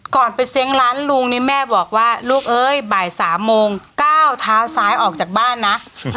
ก่อนไปเสียงร้านลุงเนี่ยแม่บอกว่าลูกเอ้ยบ่าย๓โมงก้าวเท้าซ้ายออกจากบ้านนะ